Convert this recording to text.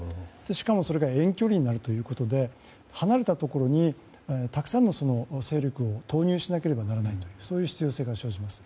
しかもそれが遠距離になるということで離れたところにたくさんの勢力を投入しなければならないそういう必要性が生じます。